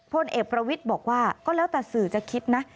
พลเอกประวิทย์บอกว่าก็แล้วแต่สื่อจะคิดนะ